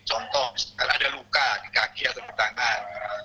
contoh misalkan ada luka di kaki atau di tangan